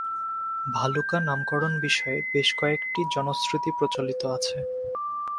ভালুকা নামকরণ বিষয়ে বেশ কয়েকটি জনশ্রুতি প্রচলিত রয়েছে।